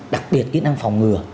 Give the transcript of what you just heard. đặc biệt kỹ năng phòng ngừa